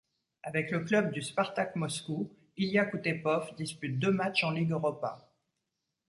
Avec le club du Spartak Moscou, Ilia Koutepov dispute deux matchs en Ligue Europa.